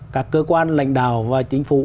các cơ quan lãnh đạo và chính phủ